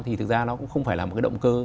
thì thực ra nó cũng không phải là một cái động cơ